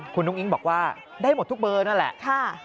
คุณอุ้งอิ๊งบอกว่าได้หมดทุกเบอร์นั่นแหละ